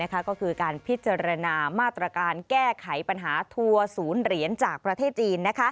ก็คือการพิจารณามาตรการแก้ไขปัญหาทัวร์ศูนย์เหรียญจากประเทศจีน